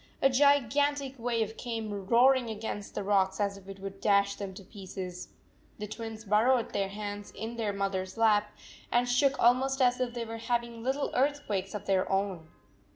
A gigantic wave came roaring against the rocks as if it would dash them to pieces. The Twins burrowed their heads in their mother s lap, and shook almost as if they were having little earthquakes of their own.